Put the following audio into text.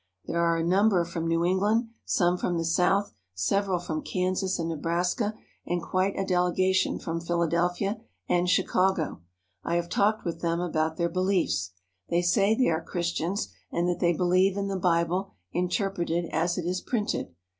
There are a number from New England, some from the South, several from Kansas and Nebraska, and quite a delegation from Philadelphia and Chicago. I have talked with them about their beliefs. They say they are Christians and that they believe in the Bible interpreted as it is printed.